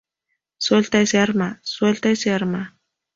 ¡ suelta ese arma! ¡ suelta ese arma!